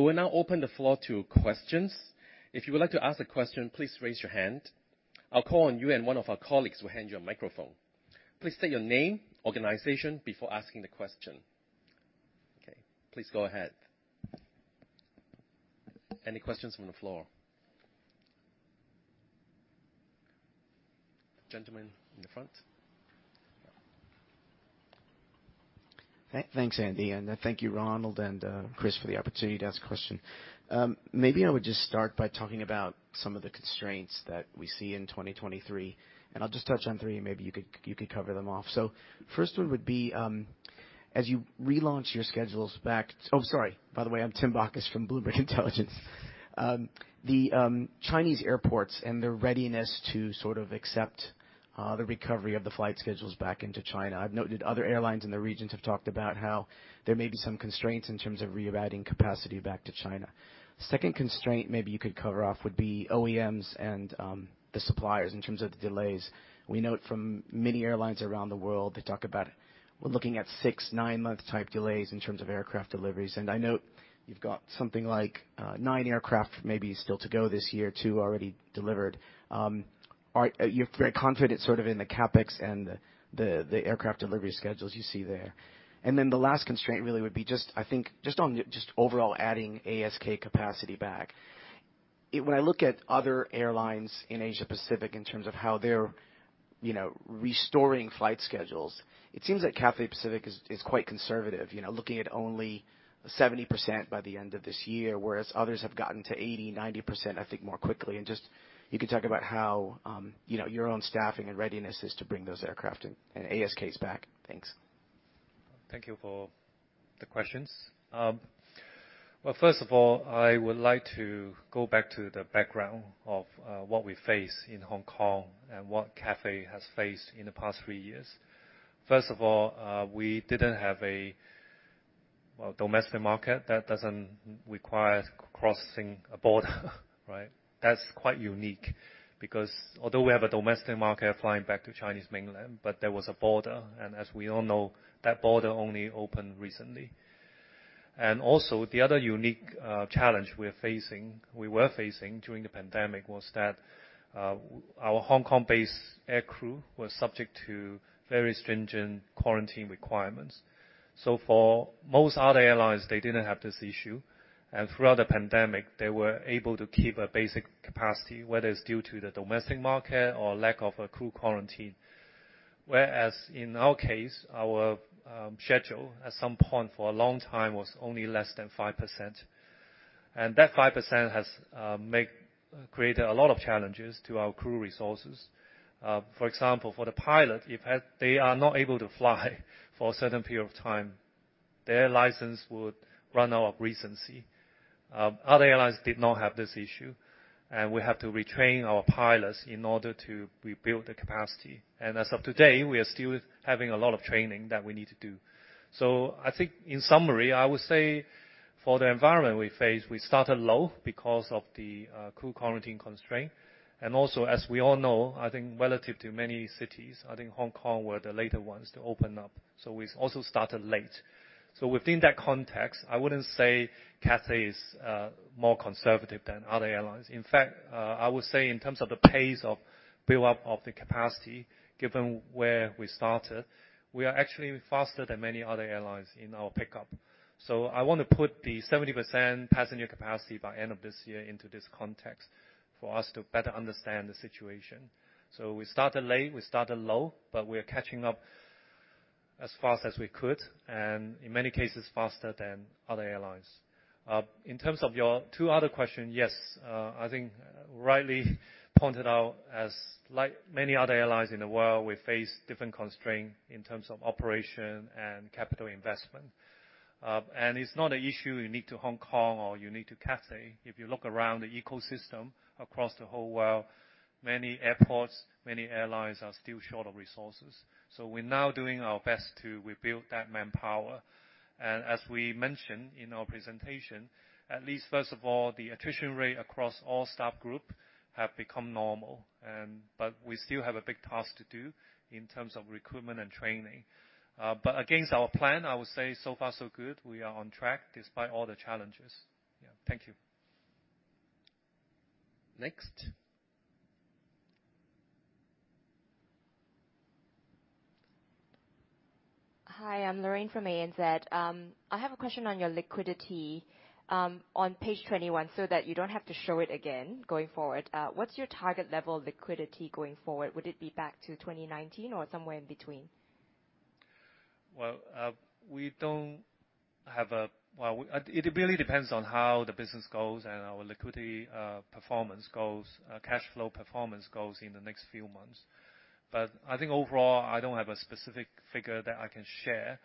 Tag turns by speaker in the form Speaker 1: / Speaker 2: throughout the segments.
Speaker 1: We'll now open the floor to questions. If you would like to ask a question, please raise your hand. I'll call on you, and one of our colleagues will hand you a microphone. Please state your name, organization, before asking the question. Okay, please go ahead. Any questions from the floor? Gentlemen in the front.
Speaker 2: Thanks, Andy, and thank you Ronald and Chris for the opportunity to ask a question. Maybe I would just start by talking about some of the constraints that we see in 2023, and I'll just touch on three, and maybe you could cover them off. First one would be, as you relaunch your schedules back. Oh, sorry. By the way, I'm Tim Bacchus from Bloomberg Intelligence. The Chinese airports and their readiness to sort of accept the recovery of the flight schedules back into China. I've noted other airlines in the regions have talked about how there may be some constraints in terms of re-adding capacity back to China. Second constraint maybe you could cover off would be OEMs and the suppliers in terms of the delays. We note from many airlines around the world, they talk about we're looking at six, nine-month type delays in terms of aircraft deliveries. I note you've got something like, nine aircraft maybe still to go this year, two already delivered. Are you very confident sort of in the CapEx and the aircraft delivery schedules you see there? The last constraint really would be just, I think, just on the, just overall adding ASK capacity back. When I look at other airlines in Asia Pacific in terms of how they're, you know, restoring flight schedules, it seems that Cathay Pacific is quite conservative, you know, looking at only 70% by the end of this year, whereas others have gotten to 80%, 90%, I think, more quickly. Just, you can talk about how, you know, your own staffing and readiness is to bring those aircraft and ASKs back. Thanks.
Speaker 3: Thank you for the questions. Well, first of all, I would like to go back to the background of what we face in Hong Kong and what Cathay has faced in the past three years. First of all, we didn't have a domestic market that doesn't require crossing a border, right? That's quite unique because although we have a domestic market flying back to Chinese mainland, but there was a border, and as we all know, that border only opened recently. Also, the other unique challenge we were facing during the pandemic was that our Hong Kong-based air crew were subject to very stringent quarantine requirements. For most other airlines, they didn't have this issue, and throughout the pandemic, they were able to keep a basic capacity, whether it's due to the domestic market or lack of a crew quarantine. Whereas in our case, our schedule at some point for a long time was only less than 5%. That 5% has created a lot of challenges to our crew resources. For example, for the pilot, if they are not able to fly for a certain period of time, their license would run out of recency. Other airlines did not have this issue, and we have to retrain our pilots in order to rebuild the capacity. As of today, we are still having a lot of training that we need to do. I think in summary, I would say for the environment we face, we started low because of the crew quarantine constraint. Also, as we all know, I think relative to many cities, I think Hong Kong were the later ones to open up. We've also started late. Within that context, I wouldn't say Cathay is more conservative than other airlines. In fact, I would say in terms of the pace of build up of the capacity, given where we started, we are actually faster than many other airlines in our pickup. I wanna put the 70% passenger capacity by end of this year into this context for us to better understand the situation. We started late, we started low, but we are catching up as fast as we could, and in many cases, faster than other airlines. In terms of your two other question, yes, I think rightly pointed out as like many other airlines in the world, we face different constraint in terms of operation and capital investment. It's not a issue unique to Hong Kong or unique to Cathay. If you look around the ecosystem across the whole world, many airports, many airlines are still short of resources. We're now doing our best to rebuild that manpower. As we mentioned in our presentation, at least first of all, the attrition rate across all staff group have become normal, but we still have a big task to do in terms of recruitment and training. Against our plan, I would say so far so good. We are on track despite all the challenges. Yeah. Thank you.
Speaker 1: Next.
Speaker 4: Hi, I'm Lorraine from ANZ. I have a question on your liquidity, on page 21, so that you don't have to show it again going forward. What's your target level of liquidity going forward? Would it be back to 2019 or somewhere in between?
Speaker 3: Well, it really depends on how the business goes and our liquidity performance goes, cash flow performance goes in the next few months. I think overall, I don't have a specific figure that I can share.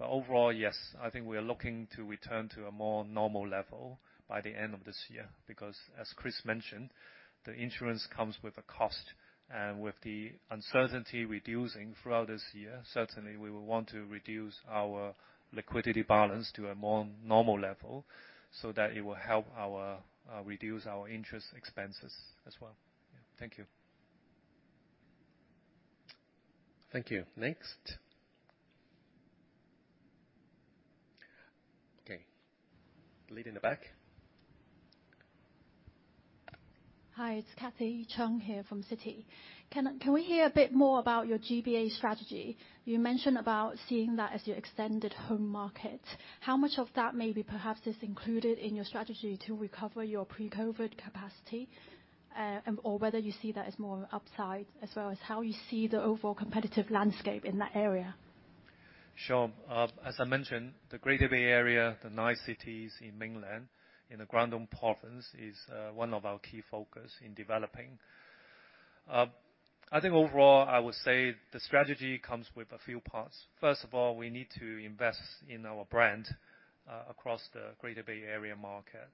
Speaker 3: Overall, yes, I think we are looking to return to a more normal level by the end of this year. As Chris mentioned, the insurance comes with a cost, and with the uncertainty reducing throughout this year, certainly we will want to reduce our liquidity balance to a more normal level so that it will help our reduce our interest expenses as well. Yeah. Thank you.
Speaker 1: Thank you. Next? Okay. Lady in the back.
Speaker 5: Hi, it's Cathy Chung here from Citi. Can we hear a bit more about your GBA strategy? You mentioned about seeing that as your extended home market. How much of that maybe perhaps is included in your strategy to recover your pre-COVID capacity, or whether you see that as more upside, as well as how you see the overall competitive landscape in that area?
Speaker 3: Sure. As I mentioned, the Greater Bay Area, the nine cities in mainland, in the Guangdong province, is one of our key focus in developing. I think overall, I would say the strategy comes with a few parts. First of all, we need to invest in our brand, across the Greater Bay Area market.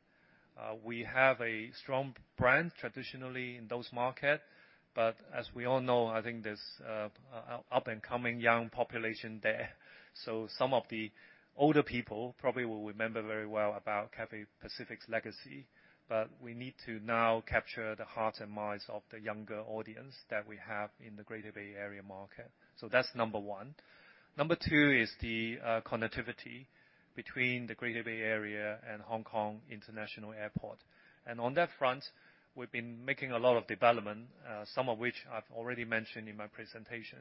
Speaker 3: We have a strong brand traditionally in those market, but as we all know, I think there's a up-and-coming young population there, so some of the older people probably will remember very well about Cathay Pacific's legacy, but we need to now capture the heart and minds of the younger audience that we have in the Greater Bay Area market. That's number one. Number two is the connectivity between the Greater Bay Area and Hong Kong International Airport. On that front, we've been making a lot of development, some of which I've already mentioned in my presentation.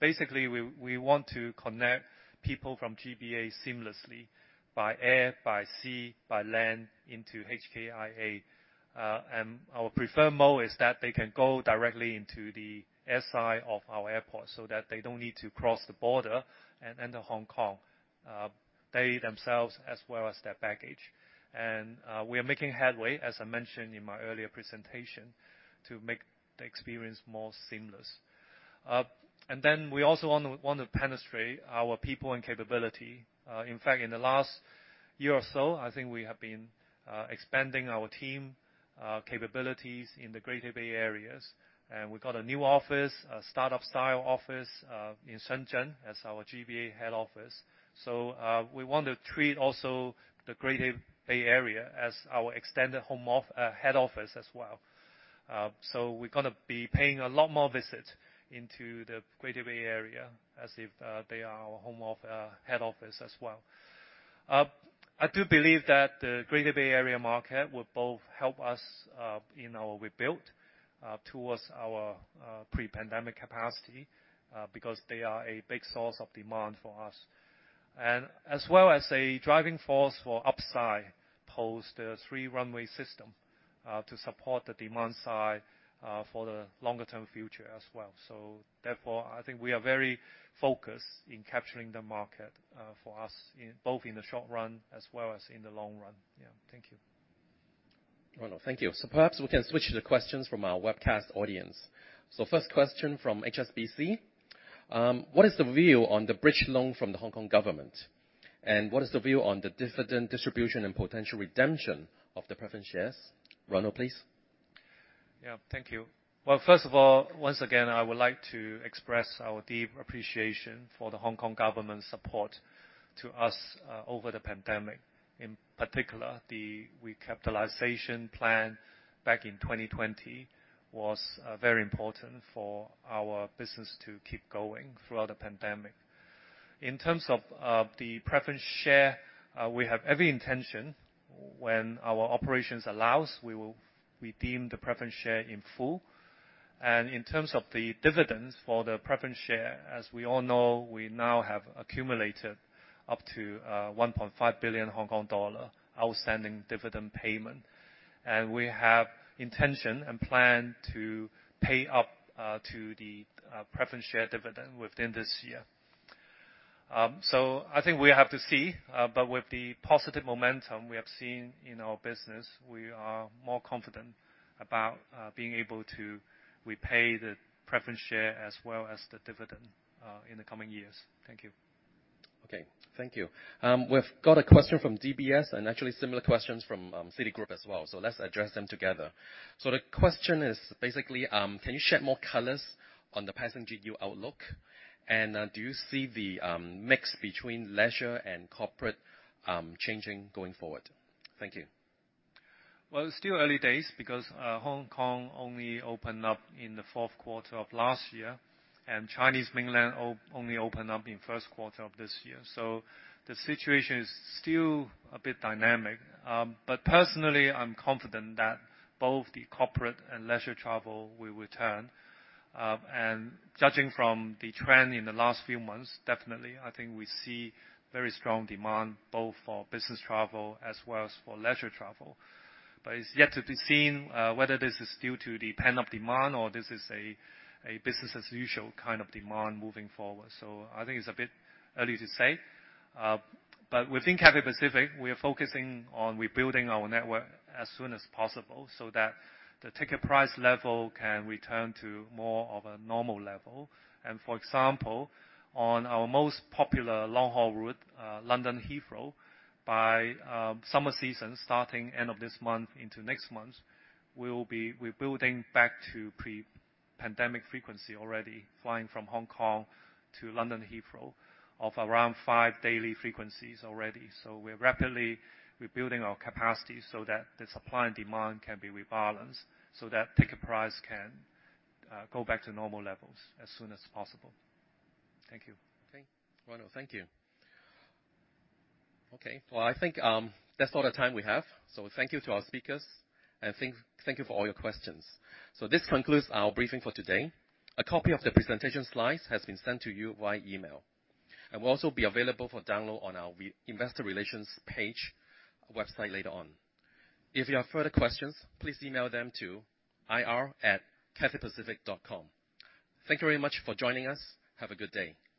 Speaker 3: Basically, we want to connect people from GBA seamlessly by air, by sea, by land, into HKIA. Our preferred mode is that they can go directly into the Shekou of our airport, so that they don't need to cross the border and enter Hong Kong, they themselves as well as their baggage. We are making headway, as I mentioned in my earlier presentation, to make the experience more seamless. We also want to penetrate our people and capability. In fact, in the last year or so, I think we have been expanding our team capabilities in the Greater Bay Areas. We got a new office, a start-up style office in Shenzhen as our GBA head office. We want to treat also the Greater Bay Area as our extended home head office as well. We're gonna be paying a lot more visits into the Greater Bay Area as if they are our home head office as well. I do believe that the Greater Bay Area market will both help us in our rebuild towards our pre-pandemic capacity because they are a big source of demand for us. As well as a driving force for upside post Three-runway System to support the demand side for the longer term future as well. Therefore, I think we are very focused in capturing the market, for us in, both in the short run as well as in the long run. Yeah. Thank you.
Speaker 1: Ronald, thank you. Perhaps we can switch to the questions from our webcast audience. First question from HSBC. What is the view on the bridge loan from the Hong Kong Government? What is the view on the dividend distribution and potential redemption of the preference shares? Ronald, please.
Speaker 3: Yeah. Thank you. Well, first of all, once again, I would like to express our deep appreciation for the Hong Kong Government's support to us over the pandemic. In particular, the recapitalisation plan back in 2020 was very important for our business to keep going throughout the pandemic. In terms of the preference share, we have every intention, when our operations allows, we will redeem the preference share in full. In terms of the dividends for the preference share, as we all know, we now have accumulated up to 1.5 billion Hong Kong dollar outstanding dividend payment. We have intention and plan to pay up to the preference share dividend within this year. I think we have to see, with the positive momentum we have seen in our business, we are more confident about being able to repay the preference share as well as the dividend in the coming years. Thank you.
Speaker 1: Okay. Thank you. We've got a question from DBS, actually similar questions from Citigroup as well, let's address them together. The question is basically, can you shed more colors on the passenger view outlook? Do you see the mix between leisure and corporate changing going forward? Thank you.
Speaker 3: Well, it's still early days because Hong Kong only opened up in the fourth quarter of last year, and Chinese Mainland only opened up in first quarter of this year. The situation is still a bit dynamic. Personally, I'm confident that both the corporate and leisure travel will return. Judging from the trend in the last few months, definitely, I think we see very strong demand both for business travel as well as for leisure travel. It's yet to be seen whether this is due to the pent-up demand or this is a business as usual kind of demand moving forward. I think it's a bit early to say. Within Cathay Pacific, we are focusing on rebuilding our network as soon as possible so that the ticket price level can return to more of a normal level. For example, on our most popular long-haul route, London Heathrow, by summer season, starting end of this month into next month, we will be rebuilding back to pre-pandemic frequency already flying from Hong Kong to London Heathrow of around five daily frequencies already. We're rapidly rebuilding our capacity so that the supply and demand can be rebalanced, so that ticket price can go back to normal levels as soon as possible. Thank you.
Speaker 1: Okay. Ronald, thank you. Okay. Well, I think that's all the time we have. Thank you to our speakers, and thank you for all your questions. This concludes our briefing for today. A copy of the presentation slides has been sent to you via email, and will also be available for download on our investor relations page website later on. If you have further questions, please email them to ir@cathaypacific.com. Thank you very much for joining us. Have a good day.